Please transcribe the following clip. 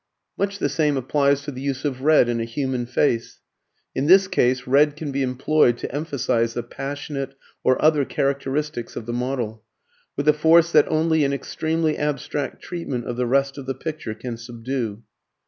Much the same applies to the use of red in a human face. In this case red can be employed to emphasize the passionate or other characteristics of the model, with a force that only an extremely abstract treatment of the rest of the picture can subdue.